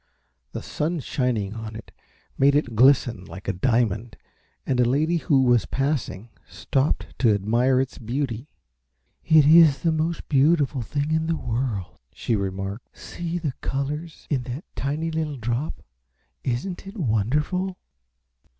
The sun shining on it made it glisten like a diamond and a lady who was passing stopped to admire its beauty. "It is the most beautiful thing in the world," she remarked. "See the colors in that tiny little drop. Isn't it wonderful?"